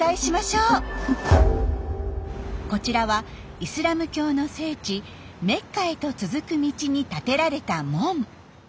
こちらはイスラム教の聖地メッカへと続く道に建てられた門。